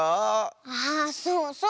あそうそう。